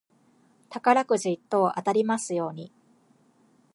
宝くじ一等当たりますように。